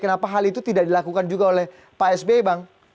kenapa hal itu tidak dilakukan juga oleh pak sby bang